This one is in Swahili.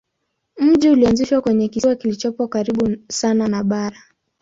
Mji ulianzishwa kwenye kisiwa kilichopo karibu sana na bara.